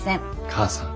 母さん。